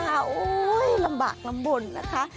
โอ้โหลำบากลำบลนะคะ